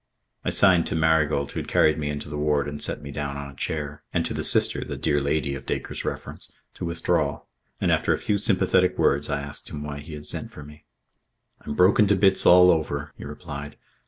I signed to Marigold, who had carried me into the ward and set me down on a chair, and to the Sister, the "dear lady" of Dacre's reference, to withdraw, and after a few sympathetic words I asked him why he had sent for me. "I'm broken to bits all over," he replied.